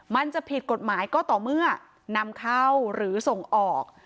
มันจะผิดกฎหมายก็ต่อเมื่อนำเข้าหรือส่งออก